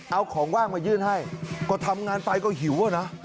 เอาของว่างมายื่นให้ก็ทำงานไปก็หิวอะนะ